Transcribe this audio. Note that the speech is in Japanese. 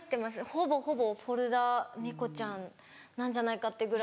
ほぼほぼフォルダ猫ちゃんなんじゃないかってぐらい。